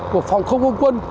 của phòng không quân quân